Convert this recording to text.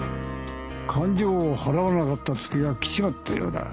勘定を払わなかったツケが来ちまったようだ。